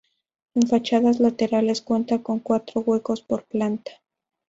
En fachadas laterales cuenta con cuatro huecos por planta.